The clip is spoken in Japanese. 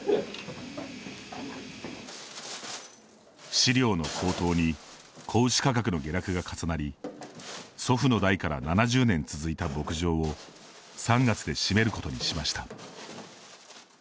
飼料の高騰に子牛価格の下落が重なり祖父の代から７０年続いた牧場を３月で閉めることにしました。